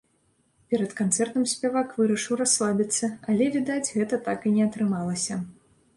Перад канцэртам спявак вырашыў расслабіцца, але, відаць, гэта так і не атрымалася.